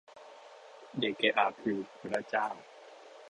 เดเกอาคือบร๊ะเจ้า